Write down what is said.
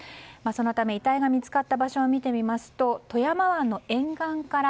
そのため遺体が見つかった場所を見てみますと富山湾の沿岸から